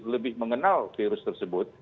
lebih mengenal virus tersebut